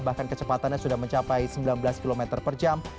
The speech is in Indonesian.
bahkan kecepatannya sudah mencapai sembilan belas km per jam